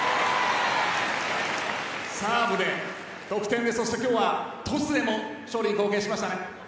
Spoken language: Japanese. サーブで得点で今日はトスでも勝利に貢献しましたね。